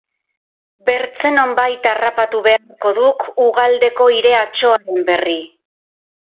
Bertze nonbait harrapatu beharko duk ugaldeko hire atsoaren berri.